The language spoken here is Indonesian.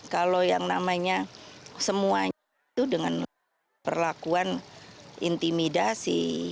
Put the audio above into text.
kalau yang namanya semuanya itu dengan perlakuan intimidasi